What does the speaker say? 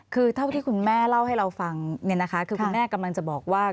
คือเท่าที่คุณแม่เล่าให้เราฟังคือคุณแม่กำลังจะบอกว่า